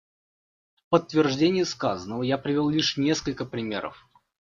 В подтверждение сказанного я привел лишь несколько примеров.